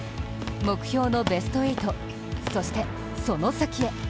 目標のベスト８、そしてその先へ。